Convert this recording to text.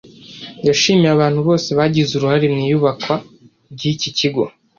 yashimiye abantu bose bagize uruhare mu iyubakwa ry’iki kigo